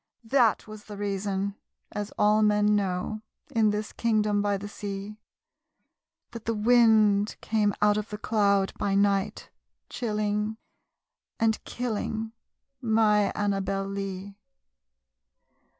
that was the reason (as all men know, In this kingdom by the sea) That the wind came out of the cloud by night, Chilling and killing my Annabel Lee.